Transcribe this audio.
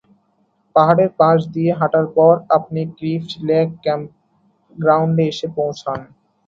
পাহাড়ের পাশ দিয়ে হাঁটার পর, আপনি ক্রিপ্ট লেক ক্যাম্পগ্রাউন্ডে এসে পৌঁছান।